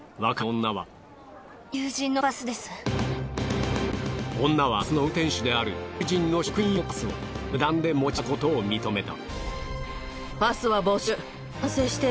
女はバスの運転手である友人の職員用パスを無断で持ち出したことを認めた。